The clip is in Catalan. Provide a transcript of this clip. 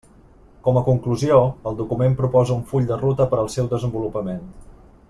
Com a conclusió, el document proposa un full de ruta per al seu desenvolupament.